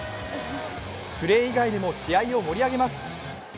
プレー以外でも試合を盛り上げます。